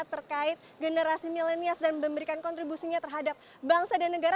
terkait generasi milenial dan memberikan kontribusinya terhadap bangsa dan negara